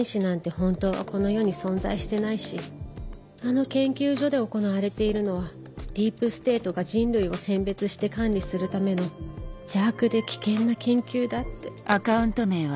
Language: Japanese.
本当はこの世に存在してないしあの研究所で行われているのはディープステートが人類を選別して管理するための邪悪で危険な研究だ」って。